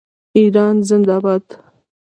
ایران زنده باد.